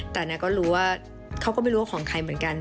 แต่นาก็รู้ว่าเขาก็ไม่รู้ว่าของใครเหมือนกัน